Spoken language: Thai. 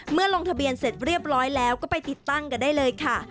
ลงทะเบียนเสร็จเรียบร้อยแล้วก็ไปติดตั้งกันได้เลยค่ะ